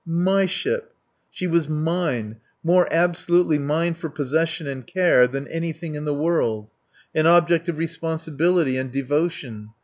My ship! She was mine, more absolutely mine for possession and care than anything in the world; an object of responsibility and devotion.